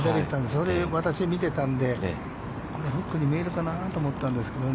それ私、見てたんで、これ、フックに見えるかなと思ったんですけどね。